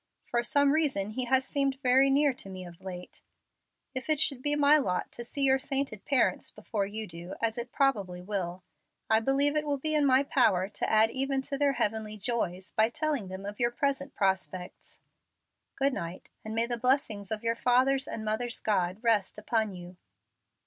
For some reason he has seemed very near me of late. If it should be my lot to see your sainted parents before you do, as it probably will, I believe it will be in my power to add even to their heavenly joys by telling them of your present prospects. Good night, and may the blessing of your father's and mother's God rest upon you."